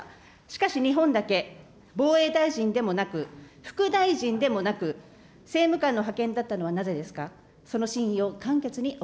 しかし日本だけ防衛大臣でもなく、副大臣でもなく、政務官の派遣だったのはなぜですか。